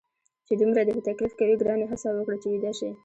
چې دومره دې په تکلیف کوي، ګرانې هڅه وکړه چې ویده شې.